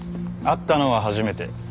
会ったのは初めて。